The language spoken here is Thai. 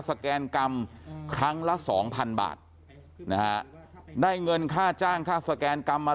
แกนกรรมครั้งละสองพันบาทนะฮะได้เงินค่าจ้างค่าสแกนกรรมมา